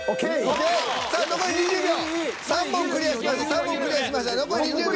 ３問クリアしました残り２０秒。